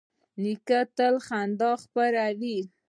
نیکه تل خندا خپروي.